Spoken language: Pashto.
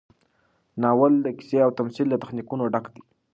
ناول د قصې او تمثیل له تخنیکونو ډک دی.